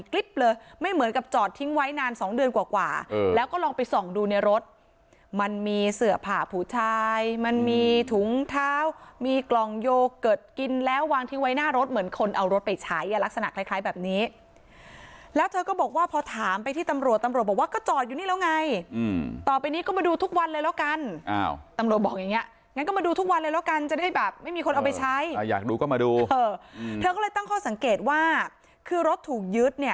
กลิ๊บเลยไม่เหมือนกับจอดทิ้งไว้นานสองเดือนกว่าแล้วก็ลองไปส่องดูในรถมันมีเสือผ่าผูชายมันมีถุงเท้ามีกล่องโยเกิร์ตกินแล้ววางทิ้งไว้หน้ารถเหมือนคนเอารถไปใช้อ่ะลักษณะคล้ายคล้ายแบบนี้แล้วเธอก็บอกว่าพอถามไปที่ตำรวจตำรวจบอกว่าก็จอดอยู่นี่แล้วไงอืมต่อไปนี้ก็มาดูทุกวันเลยแล้วกัน